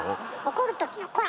怒るときの「コラ！」